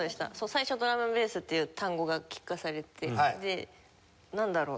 最初ドラムンベースっていう単語を聞かされてでなんだろう？